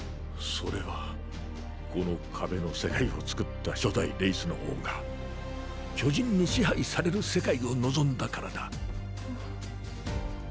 それはこの壁の世界を創った初代レイスの王が巨人に支配される世界を望んだからだ。